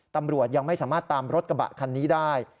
ตำรวจยังไม่สามารถตามรถกระบะคันนี้ได้